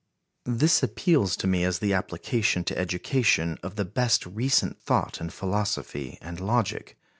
This appeals to me as the application to education of the best recent thought in philosophy and logic.